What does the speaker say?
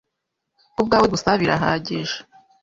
ku bwawe gusabirahagije